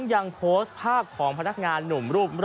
ทั้งยังโพสต์ภาพของพนักงานหนุ่มรูปร่างหน้าตาดี๕คน